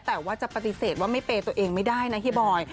แต่ว่าจะปฏิเสธว่าไม่เปย์ตัวเองไม่ได้นะเฮียบอย